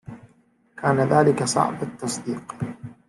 .كان ذلك صعب التصديق